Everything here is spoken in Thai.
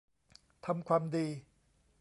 ทำความดี